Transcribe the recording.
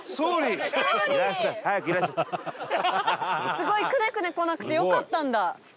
すごい！クネクネ来なくてよかったんだ。